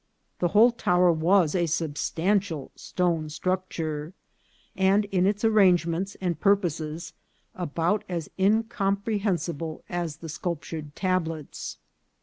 The whole tower was a substantial stone structure, and in its arrangements and purposes about as incomprehen sible as the sculptured tablets.